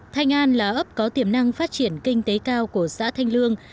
thanh an là ấp có tiềm năng phát triển kinh tế cao của xã thanh lương